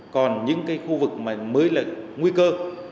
còn những khu vực mới là nguy cơ